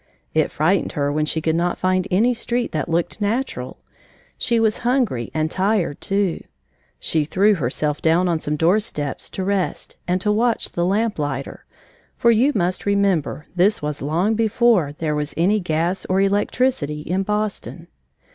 It frightened her when she could not find any street that looked natural. She was hungry and tired, too. She threw herself down on some door steps to rest and to watch the lamplighter, for you must remember this was long before there was any gas or electricity in Boston.